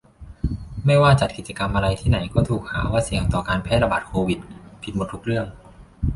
ไม่ว่าจัดกิจกรรมอะไรที่ไหนก็ถูกหาว่าเสี่ยงต่อการแพร่ระบาดโควิด ผิดหมดทุกเรื่อง